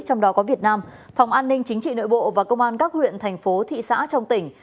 trong đó có việt nam phòng an ninh chính trị nội bộ và công an các huyện thành phố thị xã trong tỉnh